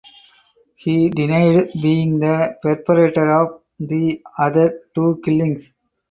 He denied being the perpetrator of the other two killings.